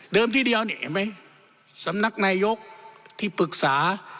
ที่เดียวนี่เห็นไหมสำนักนายกที่ปรึกษา